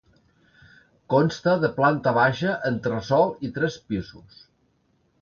Consta de planta baixa, entresòl i tres pisos.